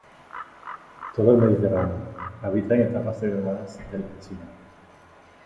Todo el Mediterráneo.Habita en etapas degradadas del encinar.